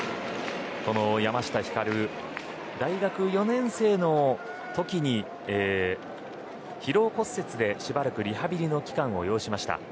山下輝は大学４年生の時に疲労骨折でしばらくリハビリの期間を要しました。